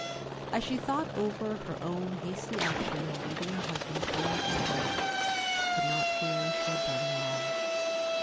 As she thought over her own hasty action in leaving her husband's home forever, she could not feel she had done wrong.